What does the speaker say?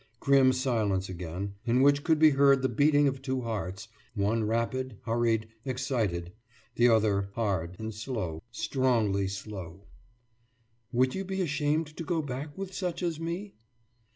« Grim silence again, in which could be heard the beating of two hearts one rapid, hurried, excited; the other hard and slow, strongely slow. »Would you be shamed to go back with such as me?